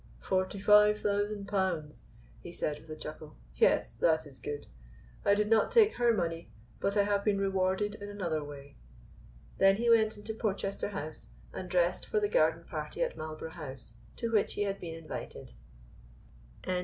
"Forty five thousand pounds," he said with a chuckle. "Yes, that is good. I did not take her money, but I have been rewarded in another way." Then he went into Porchester House and dressed for the Garden Party at Marlborough House, to which he had been invited. *CHAPTER VI.